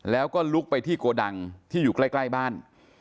แล้วก็ลุกไปที่โกดังที่อยู่ใกล้บ้าน